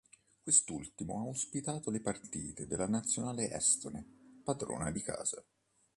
Quest'ultimo ha ospitato le partite della nazionale estone, padrona di casa.